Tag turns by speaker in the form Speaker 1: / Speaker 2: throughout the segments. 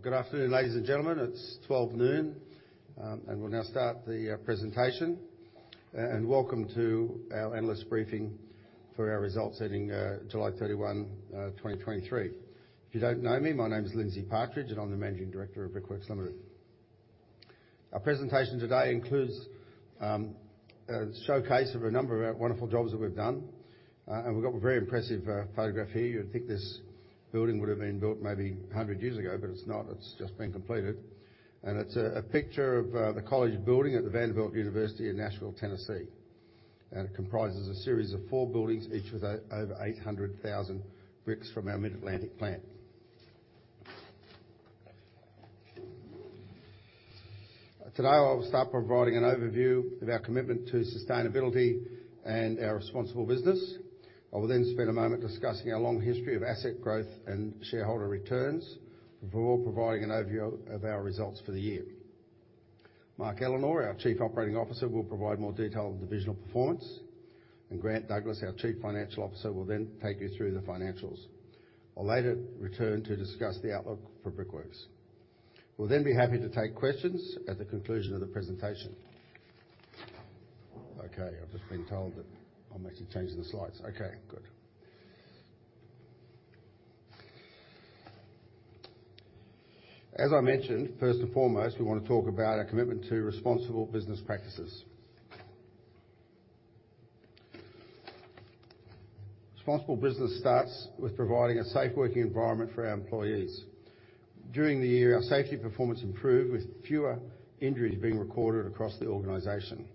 Speaker 1: Good afternoon, ladies and gentlemen. It's 12:00 noon, and we'll now start the presentation. Welcome to our analyst briefing for our results ending July 31, 2023. If you don't know me, my name is Lindsay Partridge, and I'm the Managing Director of Brickworks Limited. Our presentation today includes a showcase of a number of our wonderful jobs that we've done. We've got a very impressive photograph here. You would think this building would have been built maybe 100 years ago, but it's not, it's just been completed. It's a picture of the college building at the Vanderbilt University in Nashville, Tennessee. It comprises a series of four buildings, each with over 800,000 bricks from our Mid-Atlantic plant. Today, I'll start by providing an overview of our commitment to sustainability and our responsible business. I will then spend a moment discussing our long history of asset growth and shareholder returns, before providing an overview of our results for the year. Mark Ellenor, our Chief Operating Officer, will provide more detail on divisional performance, and Grant Douglas, our Chief Financial Officer, will then take you through the financials. I'll later return to discuss the outlook for Brickworks. We'll then be happy to take questions at the conclusion of the presentation. Okay, I've just been told that I'm actually changing the slides. Okay, good. As I mentioned, first and foremost, we want to talk about our commitment to responsible business practices. Responsible business starts with providing a safe working environment for our employees. During the year, our safety performance improved, with fewer injuries being recorded across the organization.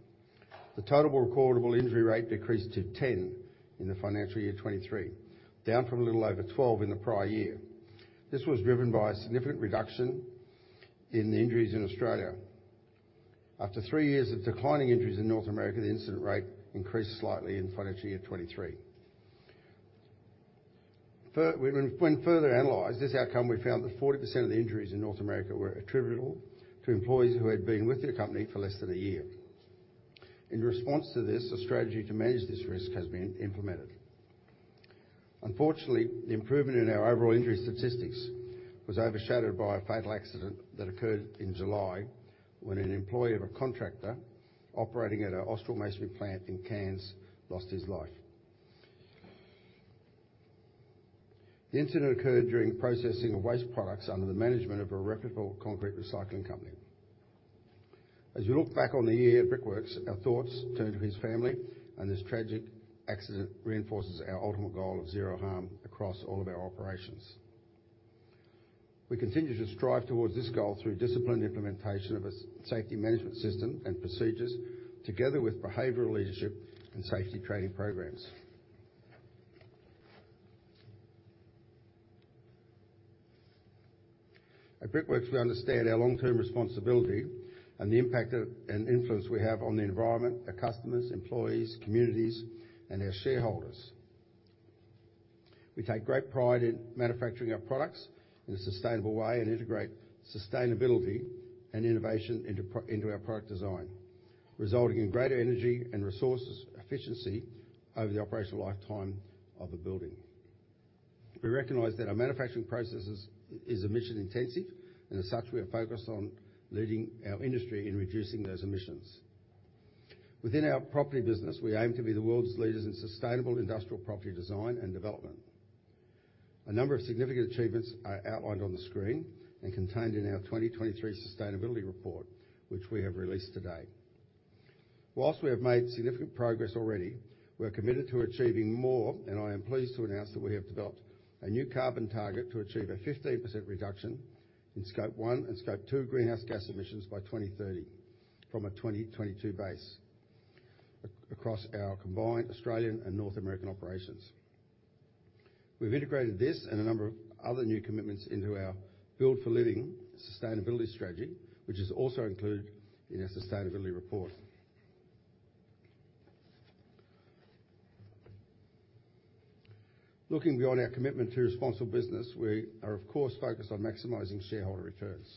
Speaker 1: The total recordable injury rate decreased to 10 in the financial year 2023, down from a little over 12 in the prior year. This was driven by a significant reduction in injuries in Australia. After 3 years of declining injuries in North America, the incident rate increased slightly in financial year 2023. When further analyzed, this outcome, we found that 40% of the injuries in North America were attributable to employees who had been with the company for less than a year. In response to this, a strategy to manage this risk has been implemented. Unfortunately, the improvement in our overall injury statistics was overshadowed by a fatal accident that occurred in July, when an employee of a contractor operating at our Austral Masonry plant in Cairns lost his life. The incident occurred during processing of waste products under the management of a reputable concrete recycling company. As we look back on the year at Brickworks, our thoughts turn to his family, and this tragic accident reinforces our ultimate goal of zero harm across all of our operations. We continue to strive toward this goal through disciplined implementation of a safety management system and procedures, together with behavioral leadership and safety training programs. At Brickworks, we understand our long-term responsibility and the impact and influence we have on the environment, our customers, employees, communities, and our shareholders. We take great pride in manufacturing our products in a sustainable way and integrate sustainability and innovation into our product design, resulting in greater energy and resources efficiency over the operational lifetime of the building. We recognize that our manufacturing processes is emission intensive, and as such, we are focused on leading our industry in reducing those emissions. Within our property business, we aim to be the world's leaders in sustainable industrial property design and development. A number of significant achievements are outlined on the screen and contained in our 2023 sustainability report, which we have released today. While we have made significant progress already, we are committed to achieving more, and I am pleased to announce that we have developed a new carbon target to achieve a 15% reduction in Scope 1 and Scope 2 greenhouse gas emissions by 2030, from a 2022 base, across our combined Australian and North American operations. We've integrated this and a number of other new commitments into our Build for Living sustainability strategy, which is also included in our sustainability report. Looking beyond our commitment to responsible business, we are, of course, focused on maximizing shareholder returns.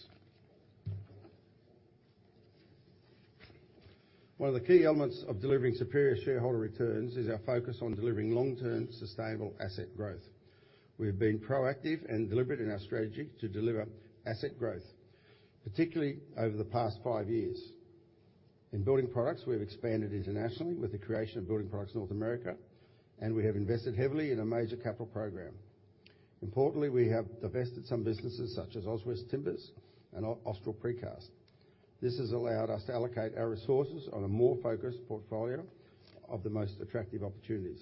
Speaker 1: One of the key elements of delivering superior shareholder returns is our focus on delivering long-term, sustainable asset growth. We've been proactive and deliberate in our strategy to deliver asset growth, particularly over the past five years. In building products, we've expanded internationally with the creation of Building Products North America, and we have invested heavily in a major capital program. Importantly, we have divested some businesses such as Auswest Timbers and Austral Precast. This has allowed us to allocate our resources on a more focused portfolio of the most attractive opportunities.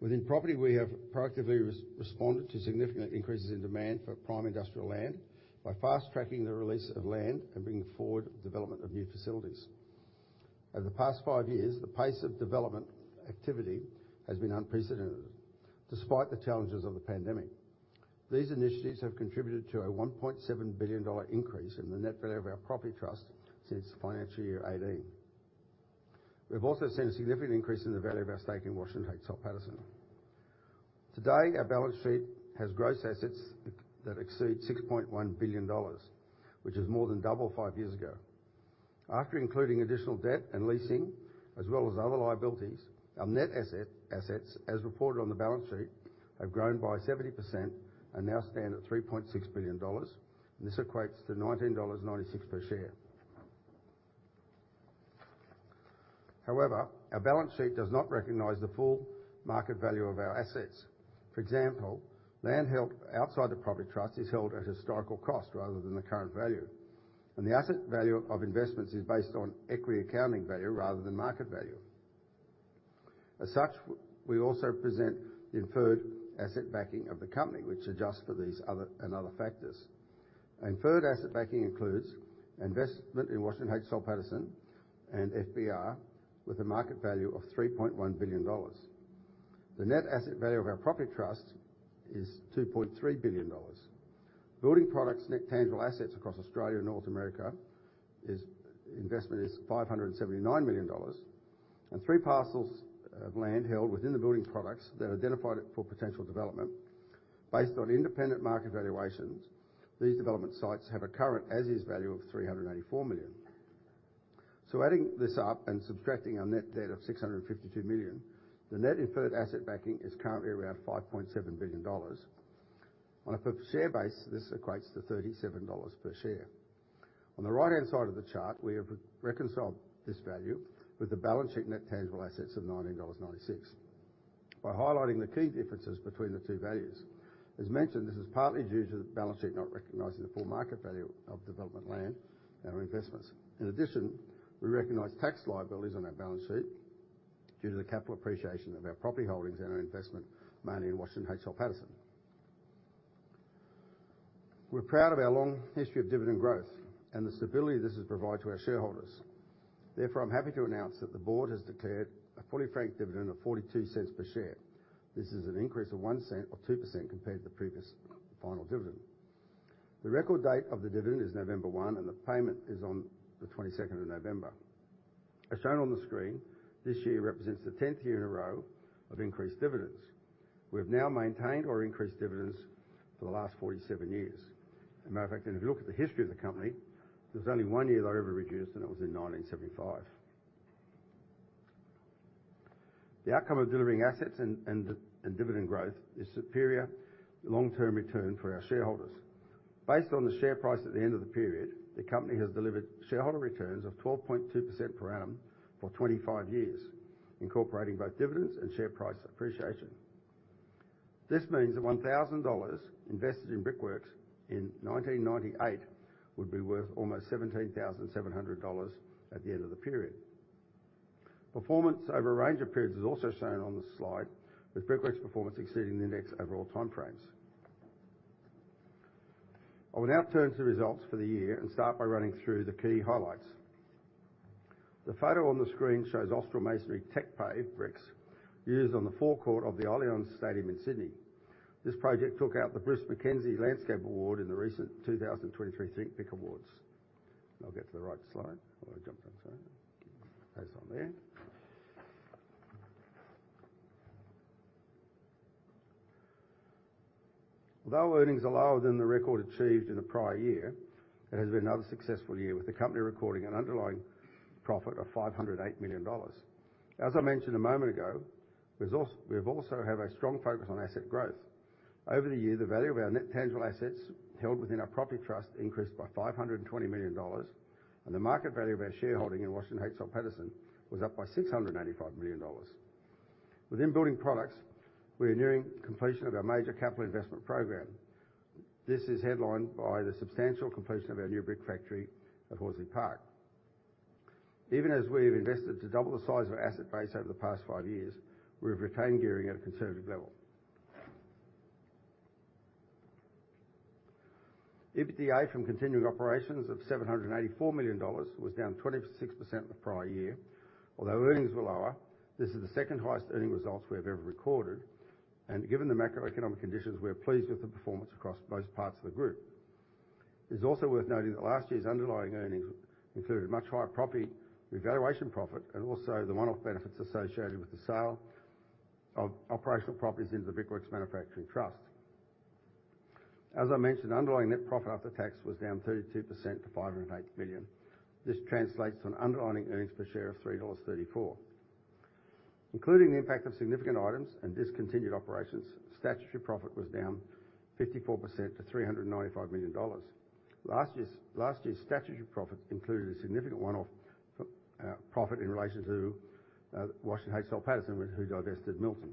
Speaker 1: Within property, we have proactively responded to significant increases in demand for prime industrial land by fast-tracking the release of land and bringing forward development of new facilities. Over the past five years, the pace of development activity has been unprecedented, despite the challenges of the pandemic. These initiatives have contributed to a AUD $1.7 billion increase in the net value of our property trust since financial year 2018. We've also seen a significant increase in the value of our stake in Washington H. Soul Pattinson. Today, our balance sheet has gross assets that exceed AUD $6.1 billion, which is more than double five years ago.... After including additional debt and leasing, as well as other liabilities, our net assets, as reported on the balance sheet, have grown by 70% and now stand at AUD $3.6 billion. This equates to AUD $19.96 per share. However, our balance sheet does not recognize the full market value of our assets. For example, land held outside the property trust is held at historical cost rather than the current value, and the asset value of investments is based on equity accounting value rather than market value. As such, we also present the inferred asset backing of the company, which adjusts for these and other factors. Inferred asset backing includes investment in Washington H. Soul Pattinson and FBR, with a market value of AUD $3.1 billion. The net asset value of our property trust is AUD $2.3 billion. Building products net tangible assets across Australia and North America is investment AUD $579 million, and 3 parcels of land held within the building products that are identified for potential development. Based on independent market valuations, these development sites have a current as-is value of AUD $384 million. Adding this up and subtracting our net debt of AUD $652 million, the net inferred asset backing is currently around AUD $5.7 billion. On a per share basis, this equates to AUD $37 per share. On the right-hand side of the chart, we have reconciled this value with the balance sheet net tangible assets of AUD $19.96. By highlighting the key differences between the two values. As mentioned, this is partly due to the balance sheet not recognizing the full market value of development land and our investments. In addition, we recognize tax liabilities on our balance sheet due to the capital appreciation of our property holdings and our investment, mainly in Washington H. Soul Pattinson. We're proud of our long history of dividend growth and the stability this has provided to our shareholders. Therefore, I'm happy to announce that the board has declared a fully franked dividend of AUD $0.42 per share. This is an increase of AUD $0.01 or 2% compared to the previous final dividend. The record date of the dividend is November 1, and the payment is on the 22nd of November. As shown on the screen, this year represents the 10th year in a row of increased dividends. We have now maintained or increased dividends for the last 47 years. As a matter of fact, if you look at the history of the company, there's only one year they were ever reduced, and that was in 1975. The outcome of delivering assets and dividend growth is superior long-term return for our shareholders. Based on the share price at the end of the period, the company has delivered shareholder returns of 12.2% per annum for 25 years, incorporating both dividends and share price appreciation. This means that AUD $1,000 invested in Brickworks in 1998 would be worth almost AUD $17,700 at the end of the period. Performance over a range of periods is also shown on the slide, with Brickworks's performance exceeding the index over all time frames. I will now turn to the results for the year and start by running through the key highlights. The photo on the screen shows Austral Masonry Tech Pave bricks used on the forecourt of the Allianz Stadium in Sydney. This project took out the Bruce Mackenzie Landscape Award in the recent 2023 Think Brick Awards. I'll get to the right slide. I jumped on, so that's on there. Although earnings are lower than the record achieved in the prior year, it has been another successful year, with the company recording an underlying profit of AUD $508 million. As I mentioned a moment ago, we've also, we've also have a strong focus on asset growth. Over the year, the value of our net tangible assets held within our property trust increased by AUD $520 million, and the market value of our shareholding in Washington H. Soul Pattinson was up by AUD $685 million. Within Building Products, we are nearing completion of our major capital investment program. This is headlined by the substantial completion of our new brick factory at Horsley Park. Even as we have invested to double the size of our asset base over the past five years, we've retained gearing at a conservative level. EBITDA from continuing operations of AUD $784 million was down 26% the prior year. Although earnings were lower, this is the second-highest earning results we have ever recorded, and given the macroeconomic conditions, we are pleased with the performance across most parts of the group. It is also worth noting that last year's underlying earnings included much higher property revaluation profit and also the one-off benefits associated with the sale of operational properties into the Brickworks Manufacturing Trust. As I mentioned, underlying net profit after tax was down 32% to AUD $508 million. This translates to an underlying earnings per share of AUD $3.34. Including the impact of significant items and discontinued operations, statutory profit was down 54% to AUD $395 million. Last year's statutory profit included a significant one-off profit in relation to Washington H. Soul Pattinson, who divested Milton.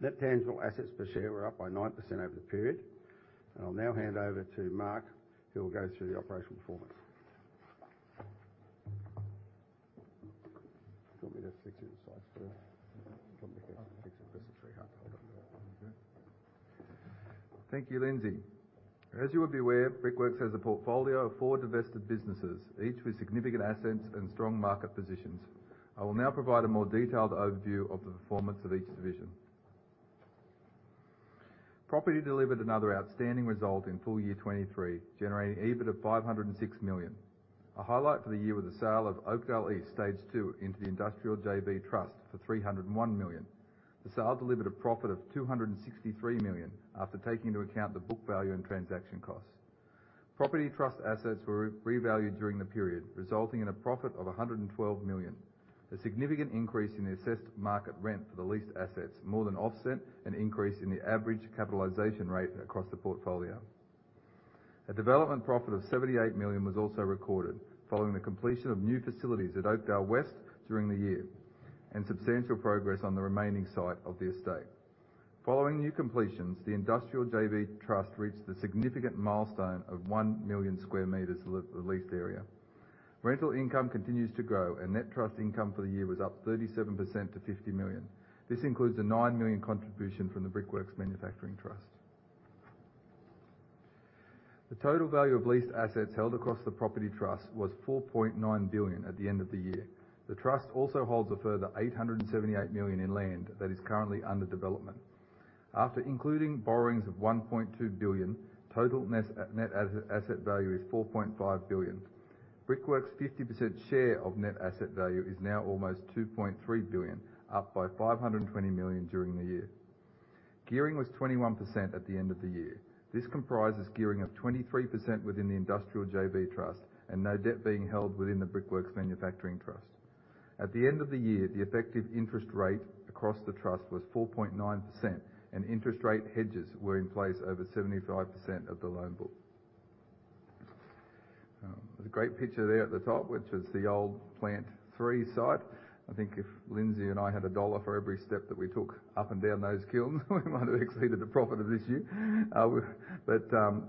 Speaker 1: Net tangible assets per share were up by 9% over the period. I'll now hand over to Mark, who will go through the operational performance. Do you want me to fix the other slides first? Do you want me to fix it? That's very hard to hold up there.
Speaker 2: Thank you, Lindsay. As you would be aware, Brickworks has a portfolio of four divested businesses, each with significant assets and strong market positions. I will now provide a more detailed overview of the performance of each division. Property delivered another outstanding result in full year 2023, generating EBIT of AUD $506 million. A highlight for the year was the sale of Oakdale East Stage Two into the Industrial JV Trust for AUD $301 million.... The sale delivered a profit of AUD $263 million, after taking into account the book value and transaction costs. Property trust assets were revalued during the period, resulting in a profit of AUD $112 million. A significant increase in the assessed market rent for the leased assets more than offset an increase in the average capitalization rate across the portfolio. A development profit of AUD $78 million was also recorded following the completion of new facilities at Oakdale West during the year, and substantial progress on the remaining site of the estate. Following new completions, the Industrial JV Trust reached the significant milestone of 1 million square meters leased area. Rental income continues to grow, and net trust income for the year was up 37% to AUD $50 million. This includes a AUD $9 million contribution from the Brickworks Manufacturing Trust. The total value of leased assets held across the property trust was AUD $4.9 billion at the end of the year. The trust also holds a further AUD $878 million in land that is currently under development. After including borrowings of AUD $1.2 billion, total net asset value is AUD $4.5 billion. Brickworks' 50% share of net asset value is now almost AUD $2.3 billion, up by AUD $520 million during the year. Gearing was 21% at the end of the year. This comprises gearing of 23% within the Industrial JV Trust, and no debt being held within the Brickworks Manufacturing Trust. At the end of the year, the effective interest rate across the trust was 4.9%, and interest rate hedges were in place over 75% of the loan book. There's a great picture there at the top, which is the old Plant Three site. I think if Lindsay and I had a dollar for every step that we took up and down those kilns, we might have exceeded the profit of this year. But,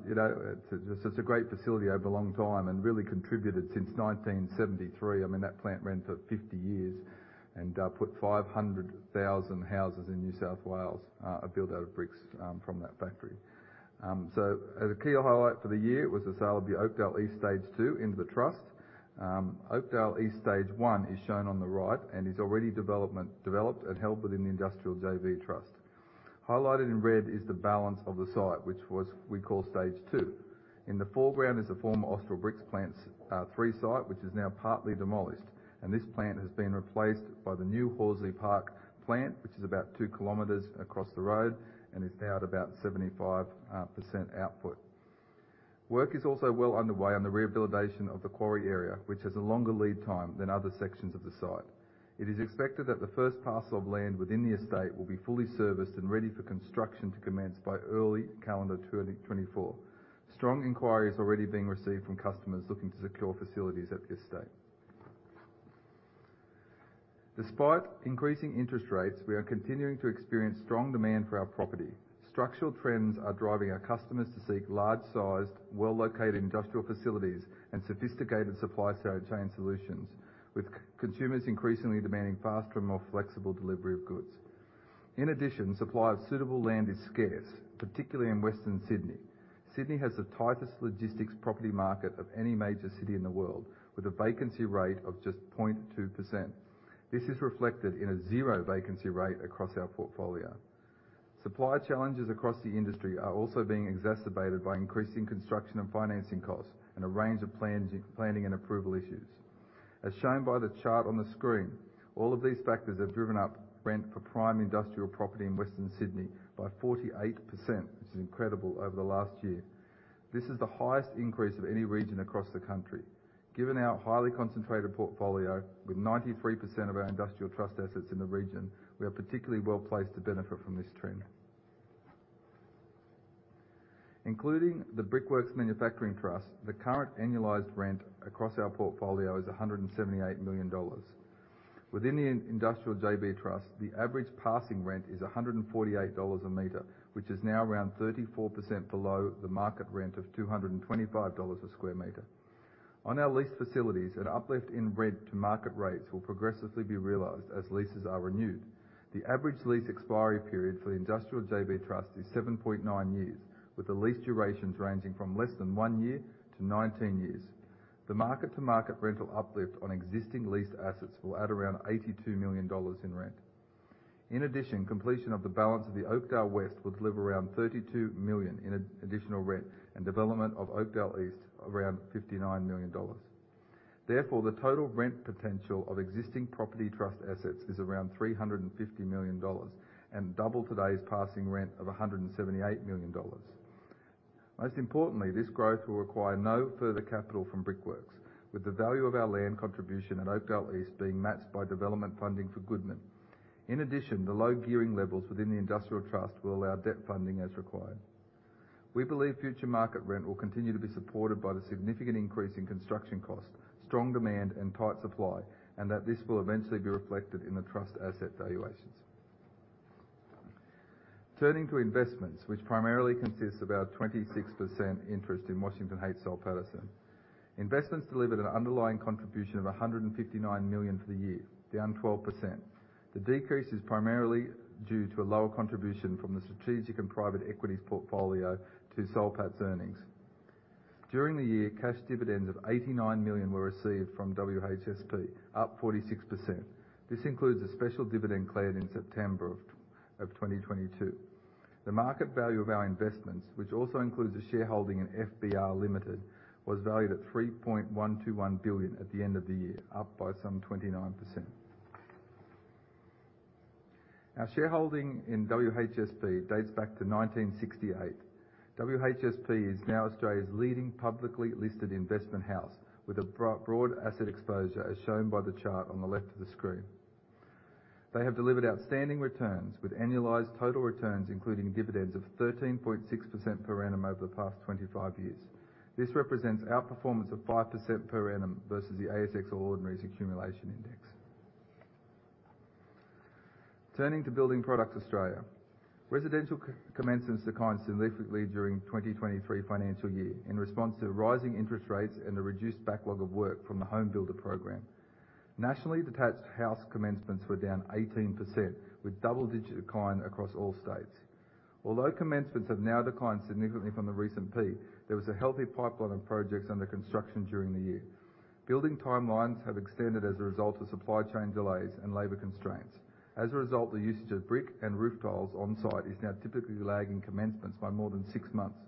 Speaker 2: you know, it's just a great facility over a long time and really contributed since 1973. I mean, that plant ran for 50 years and put 500,000 houses in New South Wales are built out of bricks from that factory. So as a key highlight for the year, it was the sale of the Oakdale East Stage Two into the trust. Oakdale East Stage One is shown on the right and is already developed and held within the Industrial JV Trust. Highlighted in red is the balance of the site, which was... we call Stage Two. In the foreground is the former Austral Bricks Plant, Three site, which is now partly demolished, and this plant has been replaced by the new Horsley Park plant, which is about 2 km across the road and is now at about 75% output. Work is also well underway on the rehabilitation of the quarry area, which has a longer lead time than other sections of the site. It is expected that the first parcel of land within the estate will be fully serviced and ready for construction to commence by early calendar 2024. Strong inquiry is already being received from customers looking to secure facilities at the estate. Despite increasing interest rates, we are continuing to experience strong demand for our property. Structural trends are driving our customers to seek large-sized, well-located industrial facilities and sophisticated supply chain solutions, with consumers increasingly demanding faster and more flexible delivery of goods. In addition, supply of suitable land is scarce, particularly in Western Sydney. Sydney has the tightest logistics property market of any major city in the world, with a vacancy rate of just 0.2%. This is reflected in a 0% vacancy rate across our portfolio. Supply challenges across the industry are also being exacerbated by increasing construction and financing costs and a range of plans, planning and approval issues. As shown by the chart on the screen, all of these factors have driven up rent for prime industrial property in Western Sydney by 48%, which is incredible, over the last year. This is the highest increase of any region across the country. Given our highly concentrated portfolio, with 93% of our industrial trust assets in the region, we are particularly well placed to benefit from this trend. Including the Brickworks Manufacturing Trust, the current annualized rent across our portfolio is AUD $178 million. Within the industrial JV trust, the average passing rent is AUD $148 a meter, which is now around 34% below the market rent of AUD $225 a square meter. On our leased facilities, an uplift in rent to market rates will progressively be realized as leases are renewed. The average lease expiry period for the industrial JV trust is 7.9 years, with the lease durations ranging from less than one year to 19 years. The market-to-market rental uplift on existing leased assets will add around AUD $82 million in rent. In addition, completion of the balance of the Oakdale West will deliver around AUD $32 million in additional rent, and development of Oakdale East, around AUD $59 million. Therefore, the total rent potential of existing property trust assets is around AUD $350 million, and double today's passing rent of AUD $178 million. Most importantly, this growth will require no further capital from Brickworks, with the value of our land contribution at Oakdale East being matched by development funding for Goodman. In addition, the low gearing levels within the industrial trust will allow debt funding as required. We believe future market rent will continue to be supported by the significant increase in construction costs, strong demand, and tight supply, and that this will eventually be reflected in the trust asset valuations. Turning to investments, which primarily consists of our 26% interest in Washington H. Soul Pattinson. Investments delivered an underlying contribution of AUD $159 million for the year, down 12%. The decrease is primarily due to a lower contribution from the strategic and private equities portfolio to Soul Pat's earnings. During the year, cash dividends of AUD $89 million were received from WHSP, up 46%. This includes a special dividend cleared in September of 2022. The market value of our investments, which also includes a shareholding in FBR Limited, was valued at AUD $3.121 billion at the end of the year, up by some 29%. Our shareholding in WHSP dates back to 1968. WHSP is now Australia's leading publicly listed investment house, with a broad asset exposure, as shown by the chart on the left of the screen. They have delivered outstanding returns, with annualized total returns, including dividends, of 13.6% per annum over the past 25 years. This represents outperformance of 5% per annum versus the ASX Ordinaries Accumulation Index. Turning to Building Products Australia. Residential commencements declined significantly during 2023 financial year in response to rising interest rates and a reduced backlog of work from the HomeBuilder program. Nationally, detached house commencements were down 18%, with double-digit decline across all states. Although commencements have now declined significantly from the recent peak, there was a healthy pipeline of projects under construction during the year. Building timelines have extended as a result of supply chain delays and labor constraints. As a result, the usage of brick and roof tiles on site is now typically lagging commencements by more than 6 months.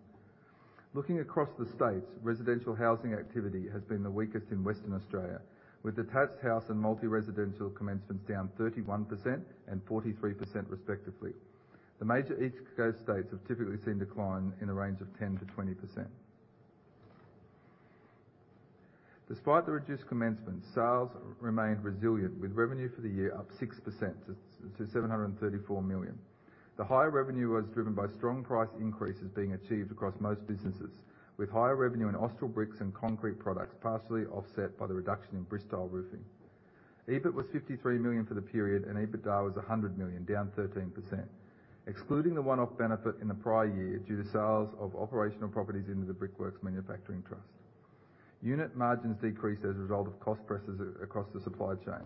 Speaker 2: Looking across the states, residential housing activity has been the weakest in Western Australia, with detached house and multi-residential commencements down 31% and 43% respectively. The major East Coast states have typically seen decline in the range of 10%-20%. Despite the reduced commencement, sales remained resilient, with revenue for the year up 6% to AUD $734 million. The higher revenue was driven by strong price increases being achieved across most businesses, with higher revenue in Austral Bricks and Concrete Products, partially offset by the reduction in Bristile Roofing. EBIT was AUD $53 million for the period, and EBITDA was AUD $100 million, down 13%, excluding the one-off benefit in the prior year due to sales of operational properties into the Brickworks Manufacturing Trust. Unit margins decreased as a result of cost pressures across the supply chain.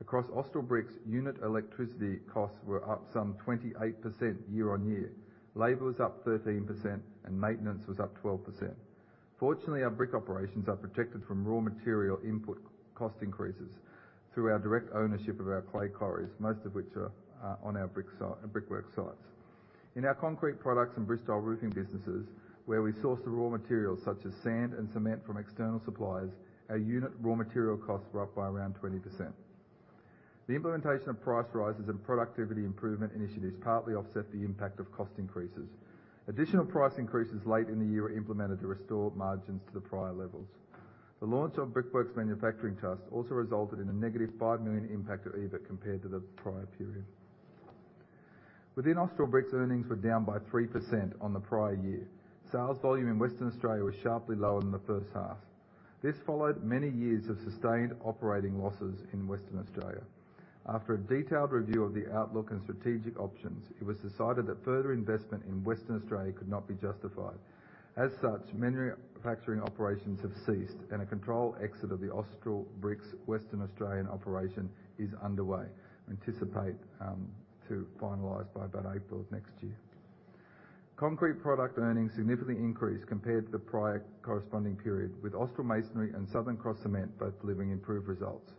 Speaker 2: Across Austral Bricks, unit electricity costs were up some 28% year-on-year. Labor was up 13%, and maintenance was up 12%. Fortunately, our brick operations are protected from raw material input cost increases through our direct ownership of our clay quarries, most of which are on our brick site, Brickworks sites. In our Concrete Products and Bristile Roofing businesses, where we source the raw materials, such as sand and cement, from external suppliers, our unit raw material costs were up by around 20%. The implementation of price rises and productivity improvement initiatives partly offset the impact of cost increases. Additional price increases late in the year were implemented to restore margins to the prior levels. The launch of Brickworks Manufacturing Trust also resulted in a negative AUD $5 million impact to EBIT compared to the prior period. Within Austral Bricks, earnings were down by 3% on the prior year. Sales volume in Western Australia was sharply lower than the first half. This followed many years of sustained operating losses in Western Australia. After a detailed review of the outlook and strategic options, it was decided that further investment in Western Australia could not be justified. As such, manufacturing operations have ceased, and a controlled exit of the Austral Bricks Western Australian operation is underway. Anticipate to finalize by about April of next year. Concrete Product earnings significantly increased compared to the prior corresponding period, with Austral Masonry and Southern Cross Cement both delivering improved results.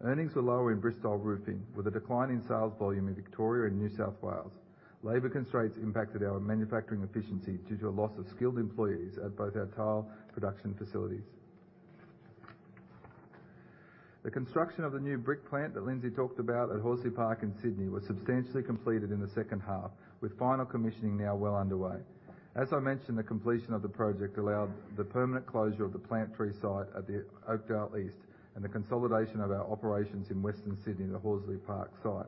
Speaker 2: Earnings were lower in Bristile Roofing, with a decline in sales volume in Victoria and New South Wales. Labor constraints impacted our manufacturing efficiency due to a loss of skilled employees at both our tile production facilities. The construction of the new brick plant that Lindsay talked about at Horsley Park in Sydney was substantially completed in the second half, with final commissioning now well underway. As I mentioned, the completion of the project allowed the permanent closure of the Plant Three site at the Oakdale East, and the consolidation of our operations in Western Sydney, the Horsley Park site.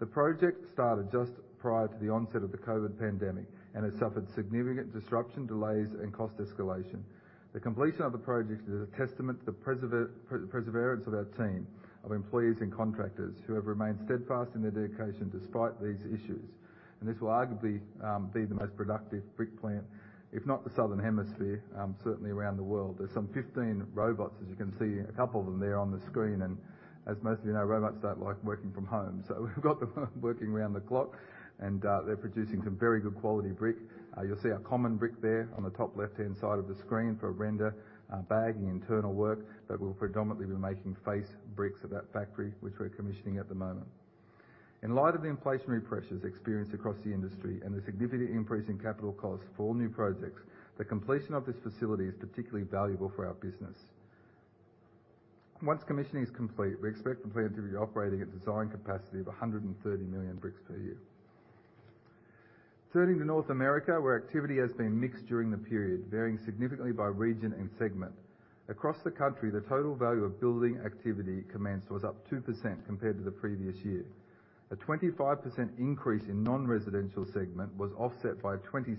Speaker 2: The project started just prior to the onset of the COVID pandemic and has suffered significant disruption, delays, and cost escalation. The completion of the project is a testament to the perseverance of our team, of employees and contractors who have remained steadfast in their dedication despite these issues. And this will arguably be the most productive brick plant, if not the Southern Hemisphere, certainly around the world. There's some 15 robots, as you can see, a couple of them there on the screen. And as most of you know, robots don't like working from home. So we've got them working around the clock, and, they're producing some very good quality brick. You'll see our common brick there on the top left-hand side of the screen for render, bag, and internal work. But we'll predominantly be making face bricks at that factory, which we're commissioning at the moment. In light of the inflationary pressures experienced across the industry and the significant increase in capital costs for all new projects, the completion of this facility is particularly valuable for our business. Once commissioning is complete, we expect the plant to be operating at design capacity of 130 million bricks per year. Turning to North America, where activity has been mixed during the period, varying significantly by region and segment. Across the country, the total value of building activity commenced was up 2% compared to the previous year. A 25% increase in non-residential segment was offset by a 26%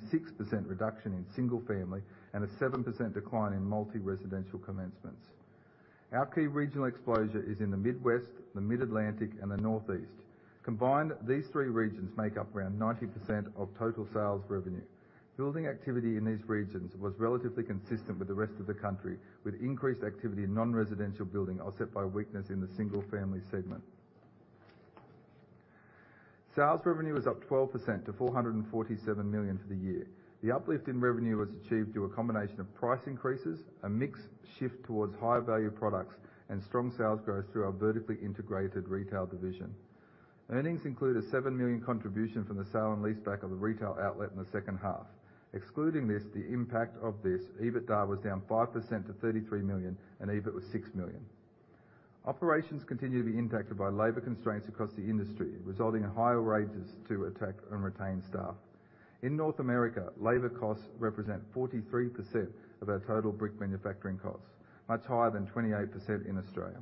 Speaker 2: reduction in single family and a 7% decline in multi-residential commencements. Our key regional exposure is in the Midwest, the Mid-Atlantic, and the Northeast. Combined, these three regions make up around 90% of total sales revenue. Building activity in these regions was relatively consistent with the rest of the country, with increased activity in non-residential building, offset by weakness in the single-family segment. Sales revenue is up 12% to $447 million for the year. The uplift in revenue was achieved through a combination of price increases, a mix shift towards higher value products, and strong sales growth through our vertically integrated retail division. Earnings include a AUD $7 million contribution from the sale and leaseback of the retail outlet in the second half. Excluding this, the impact of this, EBITDA was down 5% to AUD $33 million, and EBIT was AUD $6 million. Operations continue to be impacted by labor constraints across the industry, resulting in higher wages to attract and retain staff. In North America, labor costs represent 43% of our total brick manufacturing costs, much higher than 28% in Australia.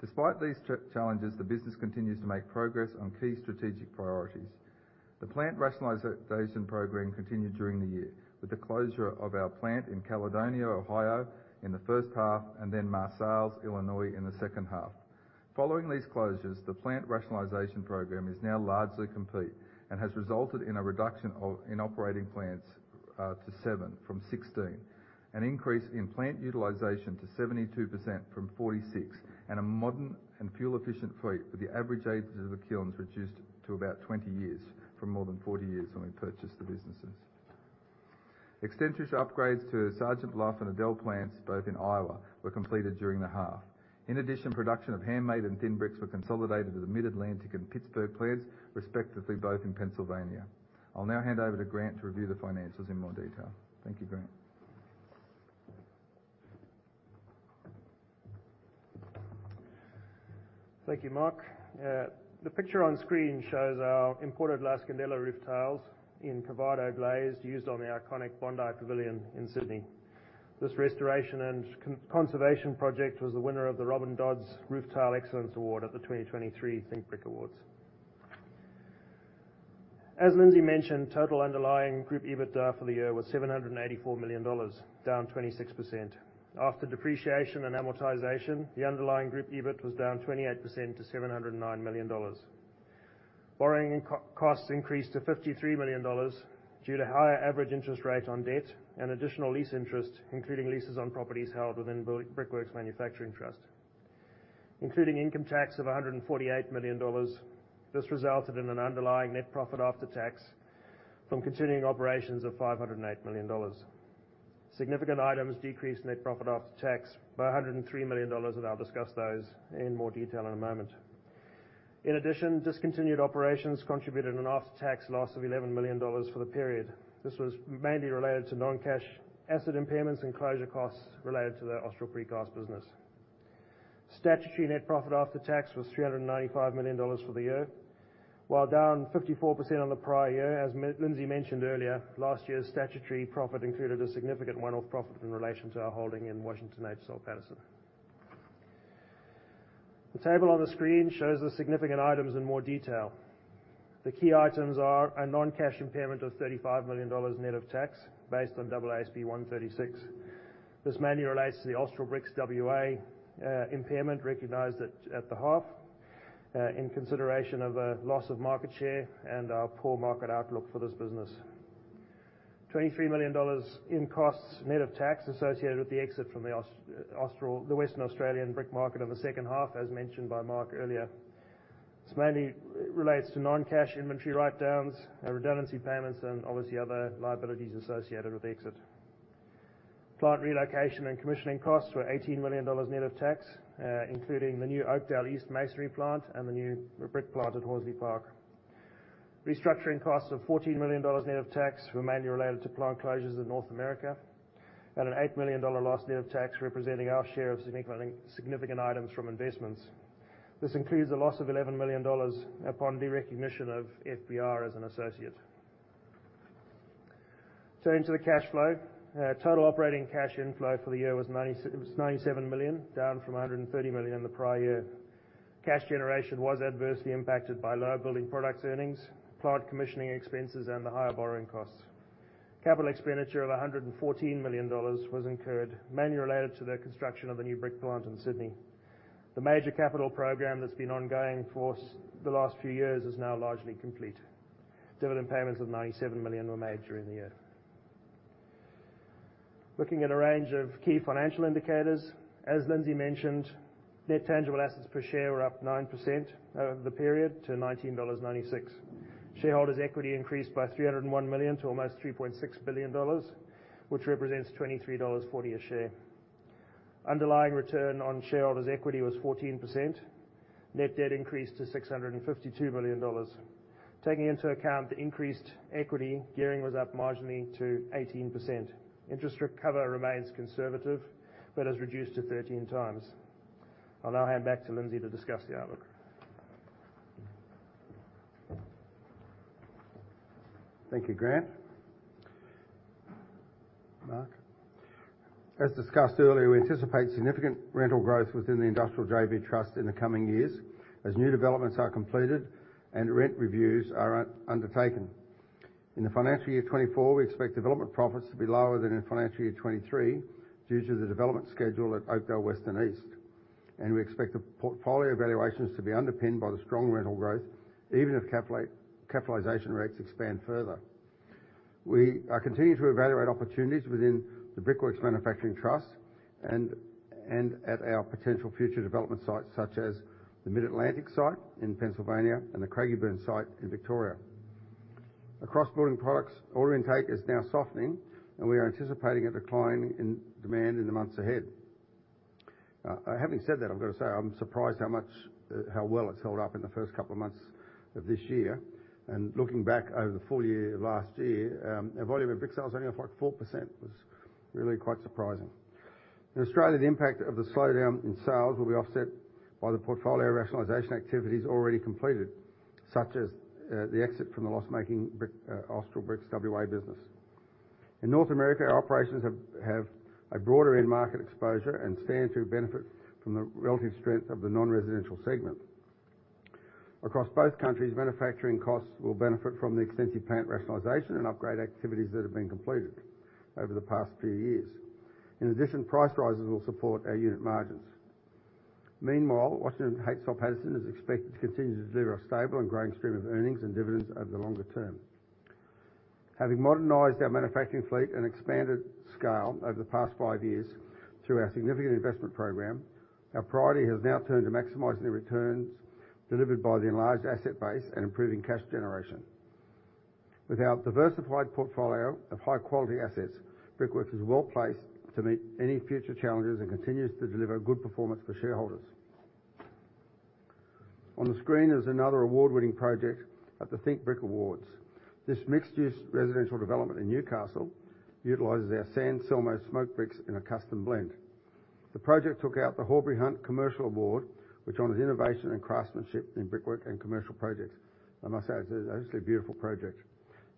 Speaker 2: Despite these challenges, the business continues to make progress on key strategic priorities. The plant rationalization program continued during the year, with the closure of our plant in Caledonia, Ohio, in the first half, and then Marseilles, Illinois, in the second half. Following these closures, the plant rationalization program is now largely complete and has resulted in a reduction of, in operating plants, to 7 from 16, an increase in plant utilization to 72% from 46%, and a modern and fuel-efficient fleet, with the average age of the kilns reduced to about 20 years from more than 40 years when we purchased the businesses. Extensive upgrades to Sargent Bluff and Adel plants, both in Iowa, were completed during the half. In addition, production of handmade and thin bricks were consolidated with the Mid-Atlantic and Pittsburgh plants, respectively, both in Pennsylvania. I'll now hand over to Grant to review the financials in more detail. Thank you, Grant.
Speaker 3: Thank you, Mark. The picture on screen shows our imported La Scandella roof tiles in Curvado Glaze, used on the iconic Bondi Pavilion in Sydney. This restoration and conservation project was the winner of the Robin Dodds Roof Tile Excellence Award at the 2023 Think Brick Awards. As Lindsay mentioned, total underlying group EBITDA for the year was AUD $784 million, down 26%. After depreciation and amortization, the underlying group EBIT was down 28% to AUD $709 million. Borrowing costs increased to AUD $53 million due to higher average interest rate on debt and additional lease interest, including leases on properties held within Brickworks Manufacturing Trust. Including income tax of AUD $148 million, this resulted in an underlying net profit after tax from continuing operations of AUD $508 million. Significant items decreased net profit after tax by AUD $103 million, and I'll discuss those in more detail in a moment. In addition, discontinued operations contributed an after-tax loss of AUD $11 million for the period. This was mainly related to non-cash asset impairments and closure costs related to the Austral Bricks gas business. Statutory net profit after tax was AUD $395 million for the year. While down 54% on the prior year, as Lindsay mentioned earlier, last year's statutory profit included a significant one-off profit in relation to our holding in Washington H. Soul Pattinson. The table on the screen shows the significant items in more detail. The key items are a non-cash impairment of AUD $35 million net of tax, based on AASB 136. This mainly relates to the Austral Bricks WA impairment, recognized at the half in consideration of a loss of market share and our poor market outlook for this business. AUD $23 million in costs net of tax associated with the exit from the Austral the Western Australian brick market of the second half, as mentioned by Mark earlier. This mainly relates to non-cash inventory write-downs, redundancy payments, and obviously other liabilities associated with exit. Plant relocation and commissioning costs were AUD $18 million net of tax, including the new Oakdale East masonry plant and the new brick plant at Horsley Park. Restructuring costs of AUD $14 million net of tax were mainly related to plant closures in North America, and an AUD $8 million loss net of tax, representing our share of significant items from investments. This includes a loss of AUD $11 million upon the recognition of FBR as an associate. Turning to the cash flow. Total operating cash inflow for the year was AUD $97 million, down from AUD $130 million in the prior year. Cash generation was adversely impacted by lower building products earnings, plant commissioning expenses, and the higher borrowing costs. Capital expenditure of AUD $114 million was incurred, mainly related to the construction of the new brick plant in Sydney. The major capital program that's been ongoing for the last few years is now largely complete. Dividend payments of AUD $97 million were made during the year. Looking at a range of key financial indicators, as Lindsay mentioned, net tangible assets per share were up 9%, over the period to AUD $19.96. Shareholders' equity increased by AUD $301 million to almost AUD $3.6 billion, which represents AUD $23.40 a share. Underlying return on shareholders' equity was 14%. Net debt increased to AUD $652 million. Taking into account the increased equity, gearing was up marginally to 18%. Interest cover remains conservative, but has reduced to 13 times. I'll now hand back to Lindsay to discuss the outlook.
Speaker 2: Thank you, Grant. Mark. As discussed earlier, we anticipate significant rental growth within the Industrial JV Trust in the coming years as new developments are completed and rent reviews are undertaken. In the financial year 2024, we expect development profits to be lower than in financial year 2023 due to the development schedule at Oakdale West and East, and we expect the portfolio evaluations to be underpinned by the strong rental growth, even if capitalization rates expand further. We are continuing to evaluate opportunities within the Brickworks Manufacturing Trust and at our potential future development sites, such as the Mid-Atlantic site in Pennsylvania and the Craigieburn site in Victoria. ...
Speaker 1: Across building products, order intake is now softening, and we are anticipating a decline in demand in the months ahead. Having said that, I've got to say I'm surprised how much, how well it's held up in the first couple of months of this year. Looking back over the full year of last year, our volume of brick sales is only up, like, 4%. It was really quite surprising. In Australia, the impact of the slowdown in sales will be offset by the portfolio rationalization activities already completed, such as, the exit from the loss-making brick, Austral Bricks WA business. In North America, our operations have a broader end market exposure and stand to benefit from the relative strength of the non-residential segment. Across both countries, manufacturing costs will benefit from the extensive plant rationalization and upgrade activities that have been completed over the past few years. In addition, price rises will support our unit margins. Meanwhile, Washington H. Soul Pattinson is expected to continue to deliver a stable and growing stream of earnings and dividends over the longer term. Having modernized our manufacturing fleet and expanded scale over the past five years through our significant investment program, our priority has now turned to maximizing the returns delivered by the enlarged asset base and improving cash generation. With our diversified portfolio of high-quality assets, Brickworks is well-placed to meet any future challenges and continues to deliver good performance for shareholders. On the screen is another award-winning project at the Think Brick Awards. This mixed-use residential development in Newcastle utilizes our San Selmo Smoke bricks in a custom blend. The project took out the Horbury Hunt Commercial Award, which honors innovation and craftsmanship in brickwork and commercial projects. I must say, it's a obviously beautiful project.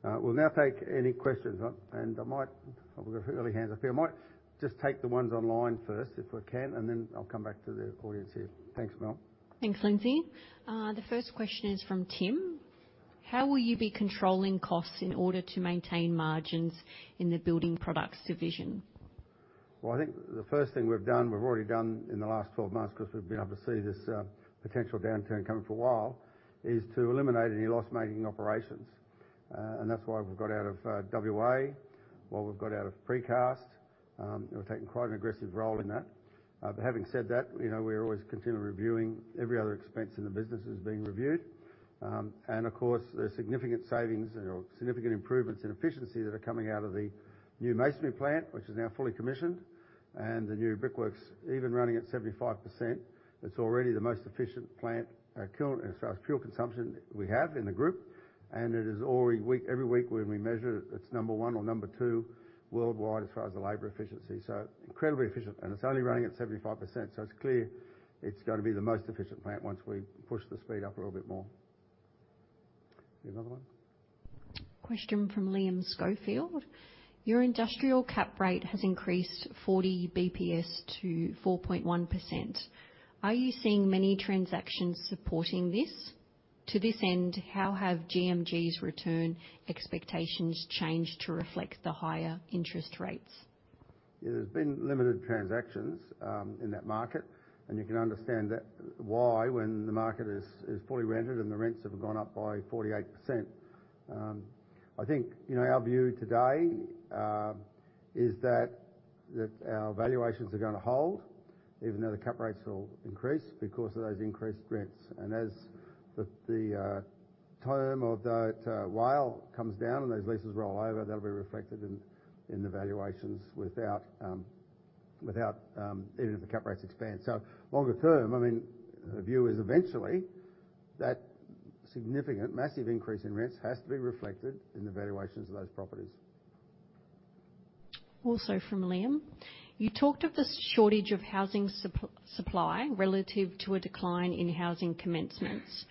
Speaker 1: We'll now take any questions. And I might... We've got early hands up here. I might just take the ones online first, if we can, and then I'll come back to the audience here. Thanks, Mel.
Speaker 4: Thanks, Lindsay. The first question is from Tim: How will you be controlling costs in order to maintain margins in the building products division?
Speaker 1: Well, I think the first thing we've done, we've already done in the last 12 months, because we've been able to see this potential downturn coming for a while, is to eliminate any loss-making operations. And that's why we've got out of WA, why we've got out of precast. And we've taken quite an aggressive role in that. But having said that, you know, we're always continually reviewing every other expense in the business is being reviewed. And of course, there are significant savings or significant improvements in efficiency that are coming out of the new masonry plant, which is now fully commissioned, and the new Brickworks, even running at 75%, it's already the most efficient plant, current, as far as fuel consumption we have in the group, and it is already every week when we measure it, it's number one or number two worldwide as far as the labor efficiency, so incredibly efficient, and it's only running at 75%, so it's clear it's going to be the most efficient plant once we push the speed up a little bit more. Any another one?
Speaker 4: Question from Liam Schofield: Your industrial cap rate has increased 40 basis points to 4.1%. Are you seeing many transactions supporting this? To this end, how have GMG's return expectations changed to reflect the higher interest rates?
Speaker 1: Yeah, there's been limited transactions in that market, and you can understand that, why, when the market is fully rented and the rents have gone up by 48%. I think, you know, our view today is that our valuations are going to hold even though the cap rates will increase because of those increased rents. And as the term of that WALE comes down and those leases roll over, that'll be reflected in the valuations without even if the cap rates expand. So longer term, I mean, the view is eventually that significant, massive increase in rents has to be reflected in the valuations of those properties.
Speaker 4: Also from Liam: You talked of the shortage of housing supply relative to a decline in housing commencements.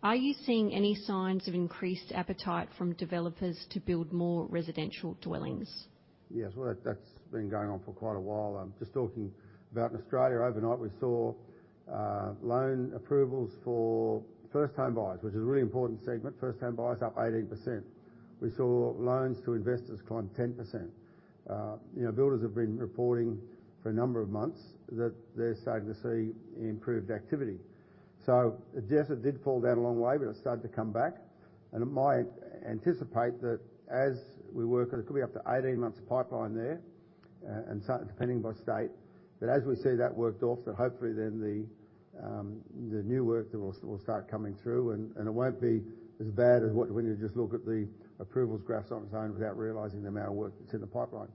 Speaker 4: Are you seeing any signs of increased appetite from developers to build more residential dwellings?
Speaker 1: Yes. Well, that, that's been going on for quite a while. I'm just talking about in Australia. Overnight, we saw loan approvals for first-time buyers, which is a really important segment. First-time buyers up 18%. We saw loans to investors climb 10%. You know, builders have been reporting for a number of months that they're starting to see improved activity. So yes, it did fall down a long way, but it's started to come back, and it might anticipate that as we work, and it could be up to 18 months of pipeline there, and so depending by state, but as we see that worked off, that hopefully then the new work then will start coming through, and it won't be as bad as what, when you just look at the approvals graphs on its own without realizing the amount of work that's in the pipeline.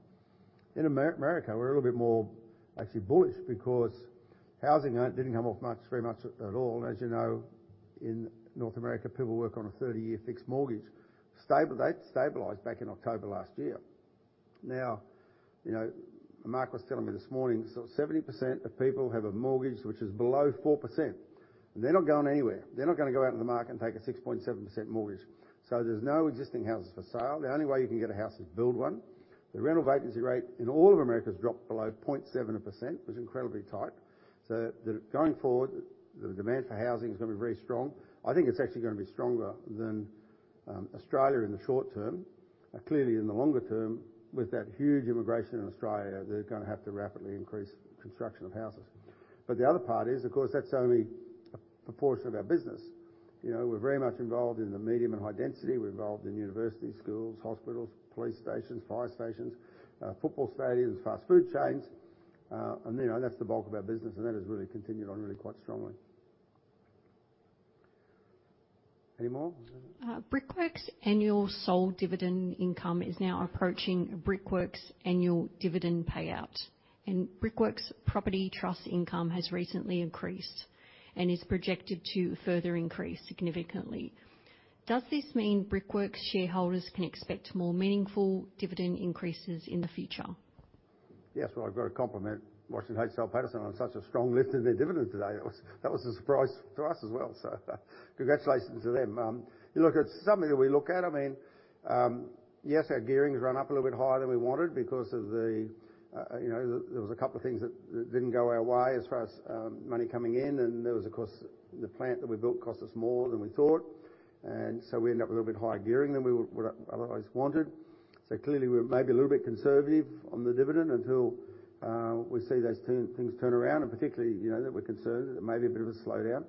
Speaker 1: In America, we're a little bit more actually bullish because housing didn't come off much, very much at all. As you know, in North America, people work on a 30-year fixed mortgage. Stable, that stabilized back in October last year. Now, you know, Mark was telling me this morning, so 70% of people have a mortgage, which is below 4%. They're not going anywhere. They're not going to go out in the market and take a 6.7% mortgage. So there's no existing houses for sale. The only way you can get a house is build one. The rental vacancy rate in all of America has dropped below 0.7%, which is incredibly tight. So, going forward, the demand for housing is going to be very strong. I think it's actually going to be stronger than Australia in the short term. But clearly, in the longer term, with that huge immigration in Australia, they're going to have to rapidly increase construction of houses. But the other part is, of course, that's only a proportion of our business. You know, we're very much involved in the medium and high density. We're involved in universities, schools, hospitals, police stations, fire stations, football stadiums, fast food chains, and, you know, that's the bulk of our business, and that has really continued on really quite strongly. Any more?
Speaker 4: Brickworks annual sold dividend income is now approaching Brickworks annual dividend payout, and Brickworks property trust income has recently increased and is projected to further increase significantly. Does this mean Brickworks shareholders can expect more meaningful dividend increases in the future?
Speaker 1: Yes, well, I've got to compliment Washington H. Soul Pattinson on such a strong lift in their dividend today. That was, that was a surprise to us as well, so congratulations to them. You look, it's something that we look at. I mean, yes, our gearing's run up a little bit higher than we wanted because of the, you know, there was a couple of things that, that didn't go our way as far as, money coming in, and there was, of course, the plant that we built cost us more than we thought, and so we end up with a little bit higher gearing than we would, would otherwise wanted. So clearly, we're maybe a little bit conservative on the dividend until we see those turn, things turn around, and particularly, you know, that we're concerned that it may be a bit of a slowdown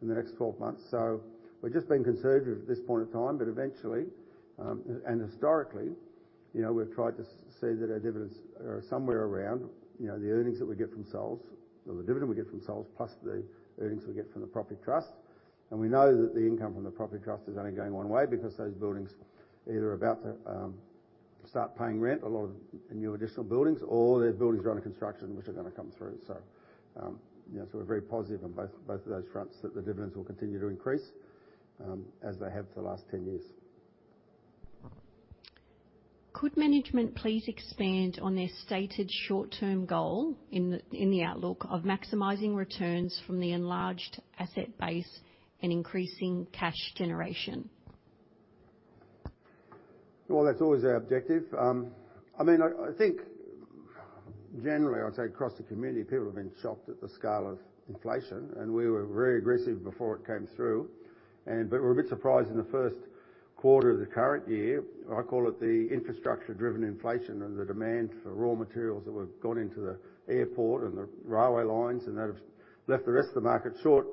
Speaker 1: in the next 12 months. So we're just being conservative at this point in time, but eventually, and historically, you know, we've tried to see that our dividends are somewhere around, you know, the earnings that we get from sales, or the dividend we get from sales, plus the earnings we get from the property trust. And we know that the income from the property trust is only going one way because those buildings either are about to start paying rent, a lot of new additional buildings, or their buildings are under construction, which are gonna come through. You know, so we're very positive on both of those fronts that the dividends will continue to increase, as they have for the last 10 years.
Speaker 4: Could management please expand on their stated short-term goal in the outlook of maximizing returns from the enlarged asset base and increasing cash generation?
Speaker 1: Well, that's always our objective. I mean, I think generally, I'd say across the community, people have been shocked at the scale of inflation, and we were very aggressive before it came through. But we're a bit surprised in the Q1 of the current year, I call it the infrastructure-driven inflation and the demand for raw materials that were gone into the airport and the railway lines, and they've left the rest of the market short,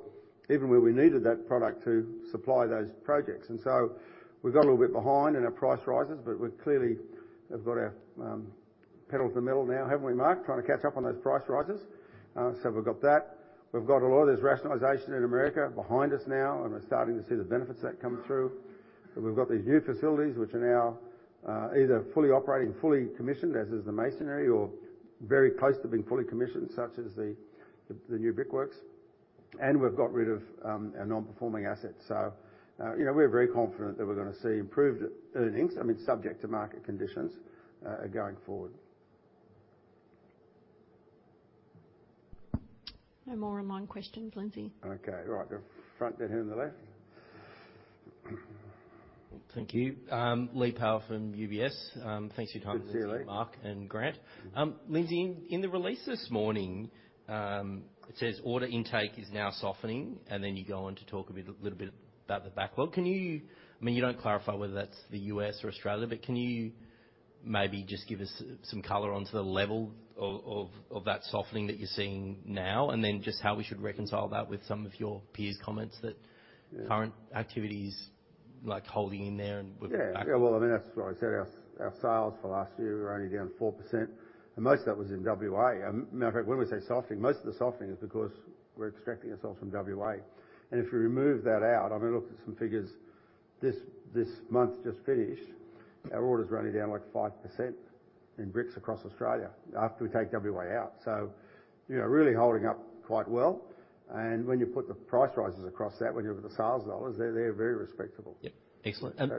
Speaker 1: even where we needed that product to supply those projects. So we've got a little bit behind in our price rises, but we've clearly have got our pedal to the metal now, haven't we, Mark? Trying to catch up on those price rises. So we've got that. We've got a lot of this rationalization in America behind us now, and we're starting to see the benefits that come through. But we've got these new facilities which are now either fully operating, fully commissioned, as is the masonry, or very close to being fully commissioned, such as the new Brickworks. And we've got rid of our non-performing assets. So, you know, we're very confident that we're going to see improved earnings, I mean, subject to market conditions, going forward.
Speaker 4: No more online questions, Lindsay.
Speaker 1: Okay, right. The front, then here on the left.
Speaker 5: Thank you. Lee Power from UBS. Thanks for your time-
Speaker 1: Good to see you, Lee.
Speaker 5: - Mark and Grant. Lindsay, in the release this morning, it says, "Order intake is now softening," and then you go on to talk a bit, little bit about the backlog. Can you... I mean, you don't clarify whether that's the US or Australia, but can you maybe just give us some color on to the level of that softening that you're seeing now, and then just how we should reconcile that with some of your peers' comments that-
Speaker 1: Yeah
Speaker 5: current activity is, like, holding in there and with the backlog?
Speaker 1: Yeah. Yeah, well, I mean, that's what I said. Our sales for last year were only down 4%, and most of that was in WA. Matter of fact, when we say softening, most of the softening is because we're extracting ourselves from WA. And if you remove that out, I mean, look at some figures. This month just finished, our order is only down, like, 5% in bricks across Australia after we take WA out. So, you know, really holding up quite well. And when you put the price rises across that, when you look at the sales dollars, they're very respectable.
Speaker 5: Yep. Excellent, and-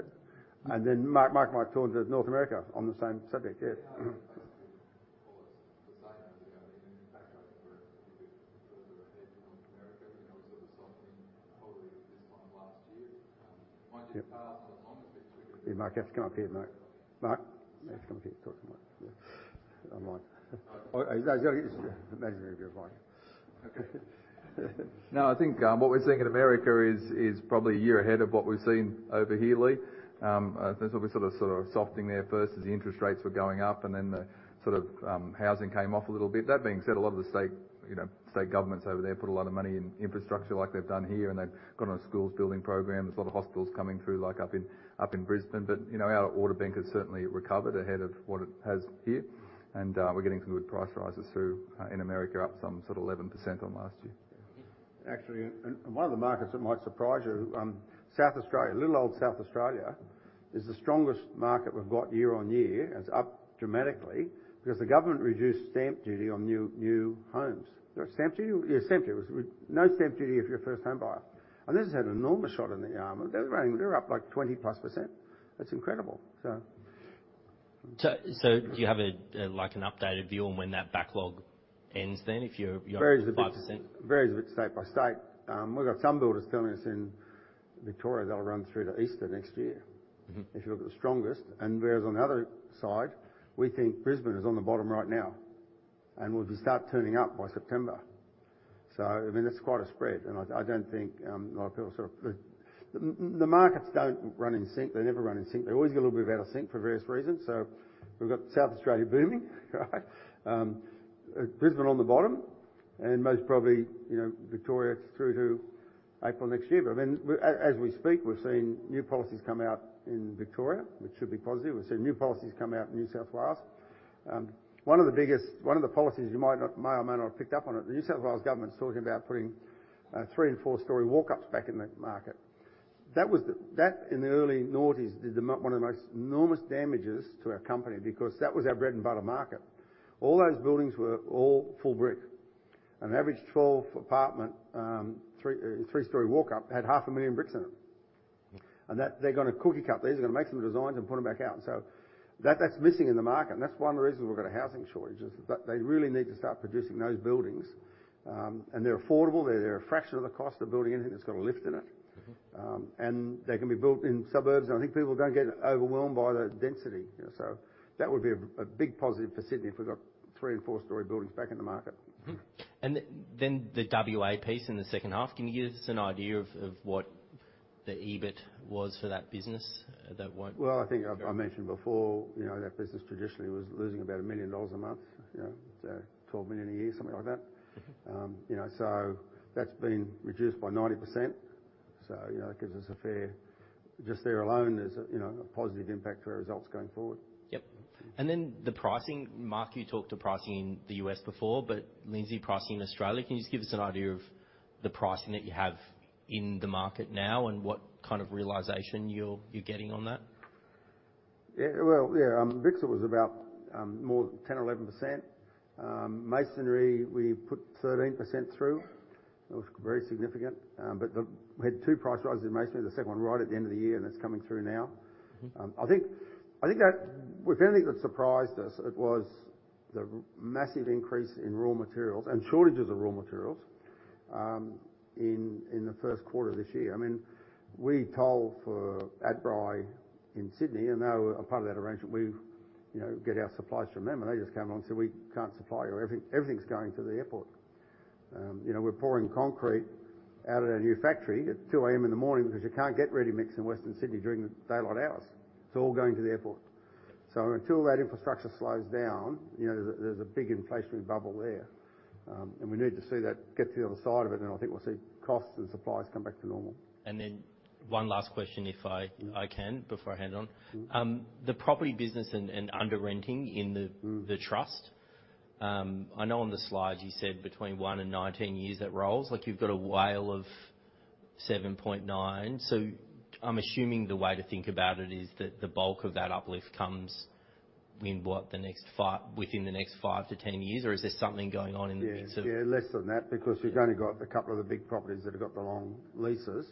Speaker 1: And then Mark, Mark might talk to North America on the same subject. Yeah.
Speaker 2: Yeah, thanks, Lee. Well, as, the same as we have an impact on North America, and there was sort of a softening probably this time last year. Mind you, perhaps a longer picture-
Speaker 1: Hey, Mark, you have to come up here, Mark. Mark, you have to come up here and talk online. Oh, is that... Imagine if you're fine.
Speaker 2: Okay. No, I think what we're seeing in America is probably a year ahead of what we've seen over here, Lee. There's probably sort of softening there first as the interest rates were going up, and then the sort of housing came off a little bit. That being said, a lot of the state, you know, state governments over there put a lot of money in infrastructure like they've done here, and they've got on schools building programs, a lot of hospitals coming through, like up in Brisbane. But, you know, our order bank has certainly recovered ahead of what it has here, and we're getting some good price rises through in America, up some sort of 11% on last year.
Speaker 1: Actually, and one of the markets that might surprise you, South Australia. Little old South Australia is the strongest market we've got year-on-year, and it's up dramatically because the government reduced stamp duty on new, new homes. Is there a stamp duty? Yeah, stamp duty. No stamp duty if you're a first-time buyer. And this has had an enormous shot in the arm, and they're running, they're up, like, 20+%. That's incredible, so...
Speaker 5: Do you have a, like, an updated view on when that backlog ends then, if you're up 5%?
Speaker 1: Varies a bit, varies a bit state by state. We've got some builders telling us in Victoria they'll run through to Easter next year. If you look at the strongest, and whereas on the other side, we think Brisbane is on the bottom right now, and will be start turning up by September. So I mean, that's quite a spread, and I, I don't think a lot of people sort of... The markets don't run in sync. They never run in sync. They're always a little bit out of sync for various reasons. So we've got South Australia booming, right? Brisbane on the bottom, and most probably, you know, Victoria through to April next year. But then, we, as we speak, we're seeing new policies come out in Victoria, which should be positive. We're seeing new policies come out in New South Wales. One of the biggest, one of the policies you might not, may or may not have picked up on, the New South Wales government is talking about putting three- and four-story walk-ups back in the market. That in the early noughties did one of the most enormous damages to our company, because that was our bread and butter market. All those buildings were all full brick. An average 12-apartment three-story walk-up had 500,000 bricks in them. And that they're gonna cookie cut these, they're gonna make some designs and put them back out. So that, that's missing in the market, and that's one of the reasons we've got a housing shortage, is that they really need to start producing those buildings. And they're affordable, they're a fraction of the cost of building anything that's got a lift in it. They can be built in suburbs, and I think people don't get overwhelmed by the density, you know? So that would be a big positive for Sydney if we got 3- and 4-story buildings back in the market.
Speaker 5: And then the WA piece in the second half, can you give us an idea of what the EBIT was for that business? That won't-
Speaker 1: Well, I think I mentioned before, you know, that business traditionally was losing about $1 million a month, you know, so $12 million a year, something like that. You know, so that's been reduced by 90%. So, you know, it gives us a fair... Just there alone, there's, you know, a positive impact to our results going forward.
Speaker 5: Yep. Then the pricing. Mark, you talked to pricing in the U.S. before, but Lindsay, pricing in Australia, can you just give us an idea of the pricing that you have in the market now and what kind of realization you're getting on that?
Speaker 1: Yeah. Well, yeah. Bricks or Bristile was about more 10 or 11%. Masonry, we put 13% through. It was very significant. But we had two price rises in masonry, the second one right at the end of the year, and that's coming through now. I think that if anything that surprised us, it was the massive increase in raw materials and shortages of raw materials in the Q1 of this year. I mean, we toll for Adbri in Sydney, and they were a part of that arrangement. We, you know, get our supplies from them, and they just came along and said, "We can't supply you. Everything's going to the airport." You know, we're pouring concrete out at our new factory at 2:00 a.m in the morning because you can't get ready mix in Western Sydney during the daylight hours. It's all going to the airport. So until that infrastructure slows down, you know, there's a big inflationary bubble there. We need to see that get to the other side of it, and I think we'll see costs and supplies come back to normal.
Speaker 5: And then one last question, if I, I can, before I hand it on. The property business and under renting in the-... the trust. I know on the slides you said between 1 and 19 years, that rolls. Like, you've got a WALE of 7.9, so I'm assuming the way to think about it is that the bulk of that uplift comes in, what, the next 5- within the next 5 to 10 years? Or is there something going on in the mix of-
Speaker 1: Yeah, yeah, less than that, because-
Speaker 5: Yeah...
Speaker 1: we've only got a couple of the big properties that have got the long leases.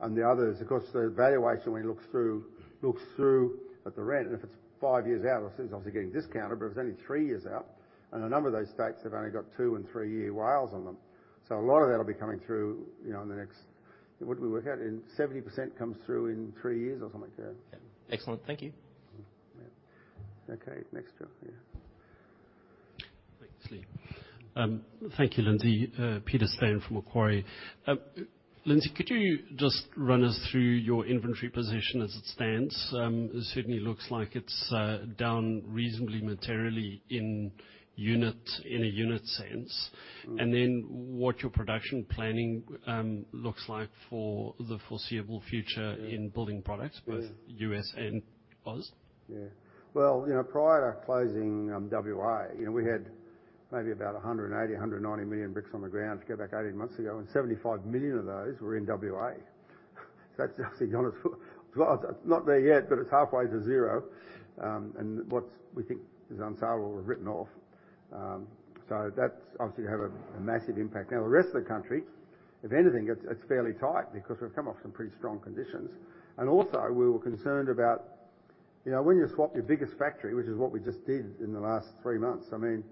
Speaker 1: And the others, of course, the valuation, when you look through, look through at the rent, and if it's 5 years out, obviously, it's obviously getting discounted, but if it's only 3 years out, and a number of those stacks have only got 2- and 3-year WALEs on them. So a lot of that will be coming through, you know, in the next... What did we work out? In 70% comes through in 3 years or something like that.
Speaker 5: Yep. Excellent. Thank you.
Speaker 1: Yeah. Okay, next up. Yeah.
Speaker 6: Thanks, Lee. Thank you, Lindsay. Peter Steyn from Macquarie. Lindsay, could you just run us through your inventory position as it stands? It certainly looks like it's down reasonably materially in unit, in a unit sense. What your production planning looks like for the foreseeable future?
Speaker 1: Yeah
Speaker 6: in building products
Speaker 1: Yeah
Speaker 6: Both US and Aus?
Speaker 1: Yeah. Well, you know, prior to closing WA, you know, we had maybe about 100-190 million bricks on the ground 18 months ago, and 75 million of those were in WA. So that's obviously not as far. It's not there yet, but it's halfway to zero, and what we think is unsellable or written off. So that's obviously had a massive impact. Now, the rest of the country, if anything, it's fairly tight because we've come off some pretty strong conditions. And also, we were concerned about, you know, when you swap your biggest factory, which is what we just did in the last three months, I mean,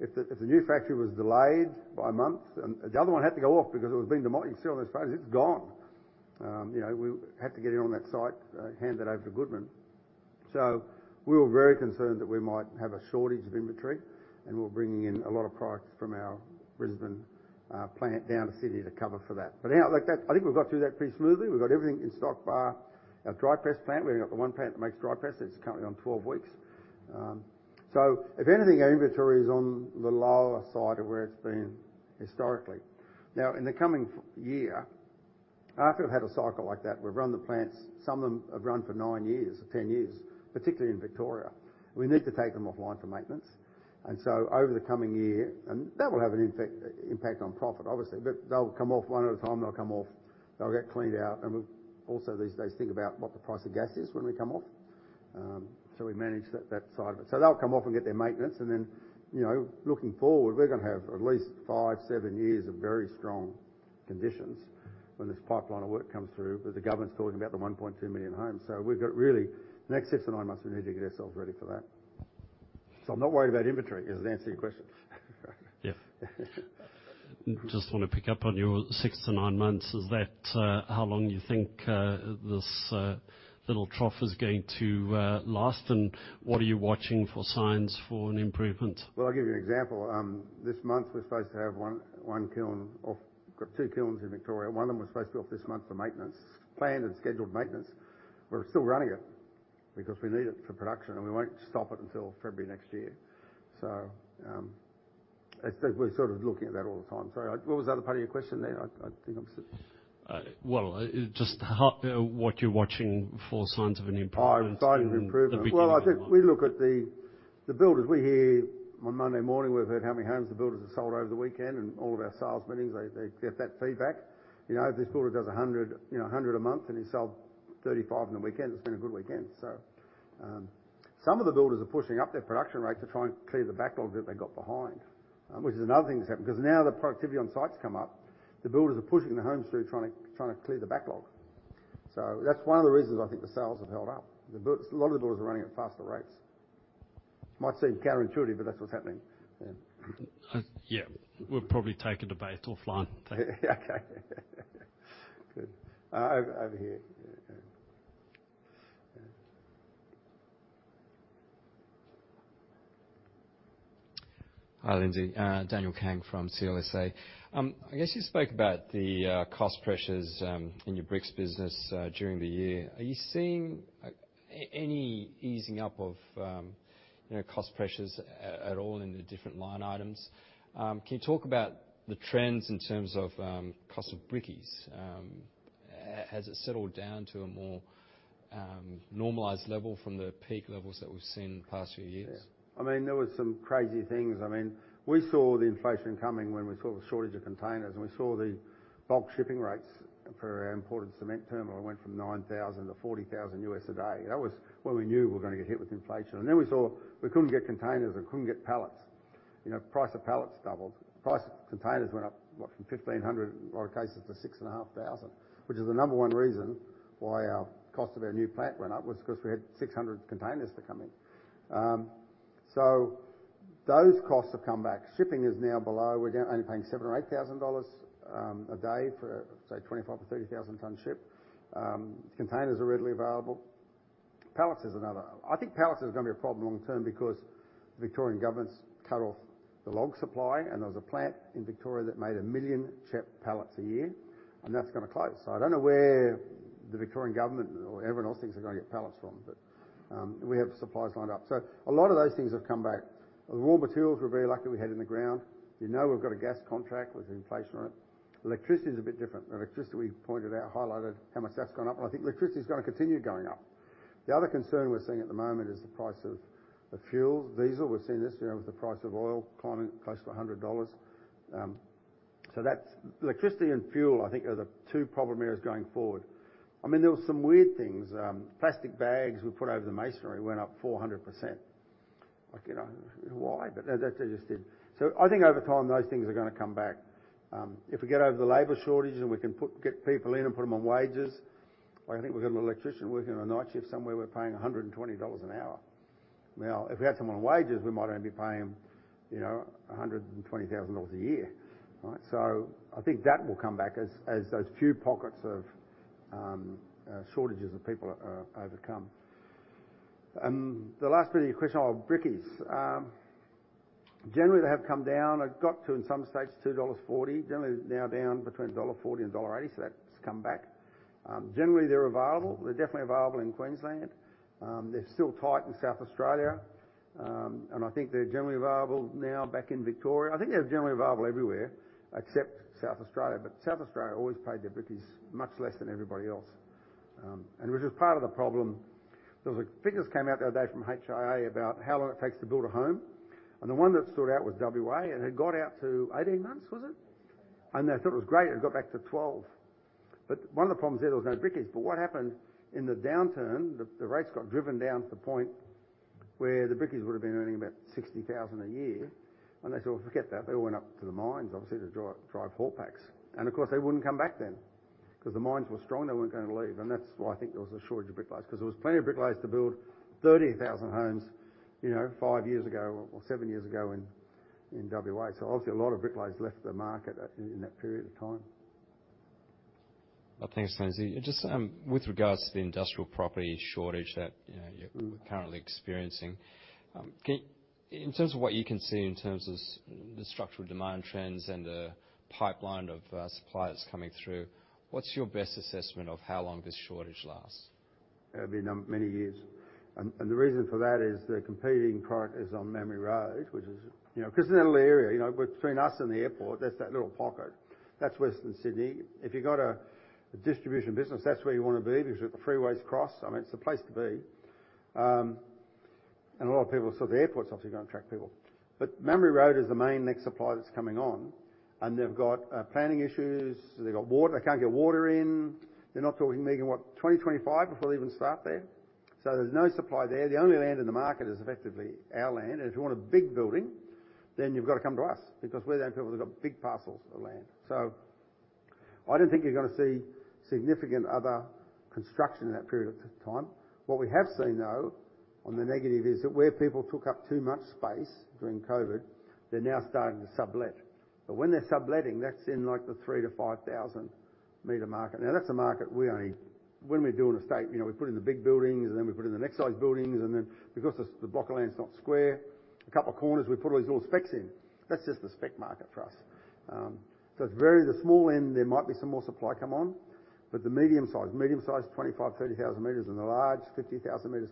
Speaker 1: if the new factory was delayed by a month, and the other one had to go off because it was being demolished, you see all those phases, it's gone. You know, we had to get in on that site, hand it over to Goodman. So we were very concerned that we might have a shortage of inventory, and we're bringing in a lot of products from our Brisbane plant down to Sydney to cover for that. But now, like that, I think we've got through that pretty smoothly. We've got everything in stock bar our dry press plant. We've only got the one plant that makes dry press; it's currently on 12 weeks. So if anything, our inventory is on the lower side of where it's been historically. Now, in the coming year, after we've had a cycle like that, we've run the plants, some of them have run for nine years or 10 years, particularly in Victoria. We need to take them offline for maintenance. So over the coming year, that will have an impact on profit, obviously, but they'll come off one at a time. They'll come off, they'll get cleaned out, and we'll also these days think about what the price of gas is when we come off. So we manage that side of it. So they'll come off and get their maintenance, and then, you know, looking forward, we're going to have at least 5-7 years of very strong conditions when this pipeline of work comes through, but the government's talking about the 1.2 million homes. So we've got really, the next 6-9 months, we need to get ourselves ready for that. So I'm not worried about inventory. Does it answer your question?
Speaker 6: Yeah. Just want to pick up on your 6-9 months. Is that how long you think this little trough is going to last, and what are you watching for signs for an improvement?
Speaker 1: Well, I'll give you an example. This month, we're supposed to have one kiln off. We've got two kilns in Victoria. One of them was supposed to be off this month for maintenance, planned and scheduled maintenance. We're still running it because we need it for production, and we won't stop it until February next year. So, as I said, we're sort of looking at that all the time. Sorry, what was the other part of your question there? I think I'm s-
Speaker 6: Well, just how what you're watching for signs of an improvement-
Speaker 1: Oh, signs of improvement.
Speaker 6: In the beginning of the-
Speaker 1: Well, I think we look at the, the builders. We hear... On Monday morning, we've heard how many homes the builders have sold over the weekend, and all of our sales meetings, they, they get that feedback. You know, if this builder does 100, you know, 100 a month and he sold 35 on the weekend, it's been a good weekend. So... Some of the builders are pushing up their production rates to try and clear the backlog that they got behind, which is another thing that's happened. Because now the productivity on sites come up, the builders are pushing the homes through, trying to, trying to clear the backlog. So that's one of the reasons I think the sales have held up. The build-- A lot of the builders are running at faster rates. It might seem counterintuitive, but that's what's happening. Yeah.
Speaker 6: Yeah. We'll probably take a debate offline. Thank you.
Speaker 1: Okay. Good. Over, over here. Yeah.
Speaker 7: Hi, Lindsay. Daniel Kang from CLSA. I guess you spoke about the, cost pressures, in your bricks business, during the year. Are you seeing, any easing up of, you know, cost pressures at all in the different line items? Can you talk about the trends in terms of, cost of brickies? Has it settled down to a more, normalized level from the peak levels that we've seen in the past few years?
Speaker 1: Yeah. I mean, there was some crazy things. I mean, we saw the inflation coming when we saw the shortage of containers, and we saw the bulk shipping rates for our imported cement terminal went from $9,000 to $40,000 a day. That was when we knew we were going to get hit with inflation. And then we saw we couldn't get containers and couldn't get pallets. You know, price of pallets doubled. Price of containers went up, what, from $1,500, a lot of cases, to $6,500, which is the number one reason why our cost of our new plant went up, was because we had 600 containers to come in. So those costs have come back. Shipping is now below. We're down, only paying $7,000 or $8,000 a day for, say, a 25,000- to 30,000-ton ship. Containers are readily available. Pallets is another. I think pallets is going to be a problem long term because the Victorian government's cut off the log supply, and there was a plant in Victoria that made 1 million CHEP pallets a year, and that's going to close. So I don't know where the Victorian government or everyone else thinks they're going to get pallets from, but, we have supplies lined up. So a lot of those things have come back. The raw materials, we're very lucky we had in the ground. We know we've got a gas contract with inflation on it. Electricity is a bit different. The electricity, we pointed out, highlighted how much that's gone up, and I think electricity is going to continue going up. The other concern we're seeing at the moment is the price of, of fuels. Diesel, we've seen this, you know, with the price of oil climbing close to $100. So that's electricity and fuel, I think, are the two problem areas going forward. I mean, there was some weird things. Plastic bags we put over the masonry went up 400%. Like, you know, why? But that, that just did. So I think over time, those things are going to come back. If we get over the labor shortages, and we can get people in and put them on wages, I think we've got an electrician working on a night shift somewhere, we're paying AUD $120 an hour. Now, if we had someone on wages, we might only be paying, you know, AUD $120,000 a year. Right? So I think that will come back as, as those few pockets of shortages of people are, are overcome. The last bit of your question on brickies. Generally, they have come down. It got to, in some states, AUD $2.40. Generally, now down between AUD $1.40 and AUD $1.80, so that's come back. Generally, they're available. They're definitely available in Queensland. They're still tight in South Australia. And I think they're generally available now back in Victoria. I think they're generally available everywhere except South Australia, but South Australia always paid their brickies much less than everybody else, and which is part of the problem. There was figures came out the other day from HIA about how long it takes to build a home, and the one that stood out was WA, and it got out to 18 months, was it? And they thought it was great, it got back to 12. But one of the problems there, there was no brickies. But what happened in the downturn, the rates got driven down to the point where the brickies would have been earning about AUD $60,000 a year, and they said, "Well, forget that." They all went up to the mines, obviously, to drive haul packs. And of course, they wouldn't come back then because the mines were strong, they weren't going to leave. That's why I think there was a shortage of bricklayers, because there was plenty of bricklayers to build 30,000 homes, you know, five years ago or seven years ago in, in WA. So obviously, a lot of bricklayers left the market at, in that period of time.
Speaker 7: Well, thanks, Lindsay. Just, with regards to the industrial property shortage that, you know, you're currently experiencing, in terms of what you can see in terms of the structural demand trends and the pipeline of suppliers coming through, what's your best assessment of how long this shortage lasts?
Speaker 1: It'll be many years. And the reason for that is the competing product is on Mamre Road, which is, you know, because it's a little area, you know, between us and the airport, there's that little pocket. That's Western Sydney. If you got a distribution business, that's where you want to be because the freeways cross. I mean, it's the place to be. And a lot of people, so the airport's obviously going to attract people. But Mamre Road is the main next supplier that's coming on, and they've got planning issues, they've got water, they can't get water in. They're not talking, thinking, what, 2025, before they even start there? So there's no supply there. The only land in the market is effectively our land, and if you want a big building, then you've got to come to us because we're the only people that got big parcels of land. So I don't think you're going to see significant other construction in that period of time. What we have seen, though, on the negative, is that where people took up too much space during COVID, they're now starting to sublet. But when they're subletting, that's in like the 3,000-5,000 meter market. Now, that's a market we only... When we're doing an estate, you know, we put in the big buildings, and then we put in the next size buildings, and then because the block of land is not square, a couple of corners, we put all these little specs in. That's just the spec market for us. So it's very, the small end, there might be some more supply come on, but the medium-sized, 25-30,000 meters, and the large, 50,000 meters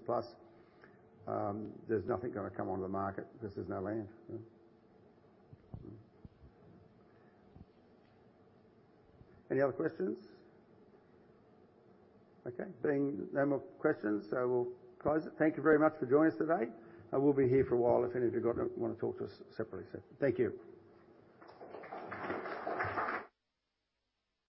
Speaker 1: plus, there's nothing going to come onto the market because there's no land. Any other questions? Okay. Being no more questions, so we'll close it. Thank you very much for joining us today. I will be here for a while if any of you want to talk to us separately. So thank you.